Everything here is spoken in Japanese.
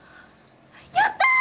やった！